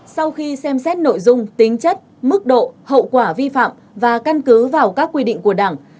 sau khi xem xét nội dung tính chất mức độ hậu quả vi phạm và căn cứ vào các quy định của đảng